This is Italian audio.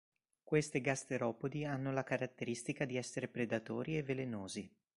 Queste gasteropodi hanno la caratteristica di essere predatori e velenosi.